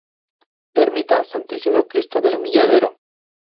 Ermita Santísimo Cristo del Humilladero.